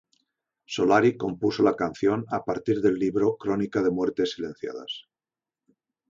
Solari compuso la canción a partir del libro "Crónica de muertes silenciadas.